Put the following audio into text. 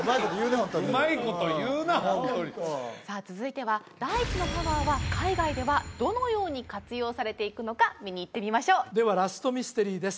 ホントにうまいこと言うなホントにさあ続いては大地のパワーは海外ではどのように活用されていくのか見に行ってみましょうではラストミステリーです